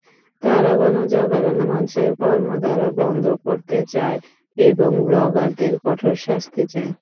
তারা গণজাগরণ মঞ্চের কর্মধারা বন্ধ করতে চায় এবং ব্লগারদের কঠোর শাস্তি চায়।